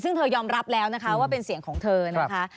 ซึ่งเธอยอมรับแล้วนะคะว่าเป็นเสียงของเธอนะคะ